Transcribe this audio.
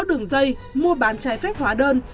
đường dây mua bán trái phép hóa đơn